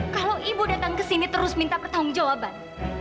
kalau ibu datang ke sini terus minta pertanggung jawaban